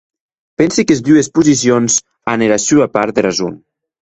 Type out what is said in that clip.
Pensi qu'es dues posicions an era sua part de rason.